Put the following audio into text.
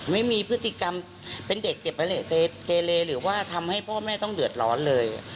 ไม่มีพฤติกรรมเป็นเด็กเจ็บไปเกเลหรือว่าทำให้พ่อแม่ต้องเดือดร้อนเลย